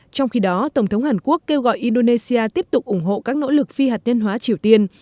trong khi đó tổng thống hàn quốc kêu gọi indonesia tiếp tục ủng hộ các nỗ lực phi hạt nhân hóa triều tiên